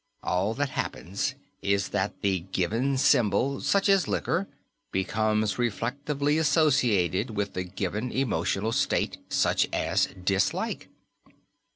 All that happens is that the given symbol such as liquor becomes reflectively associated with the given emotional state, such as dislike."